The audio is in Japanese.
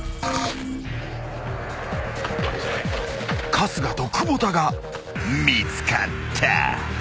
［春日と久保田が見つかった］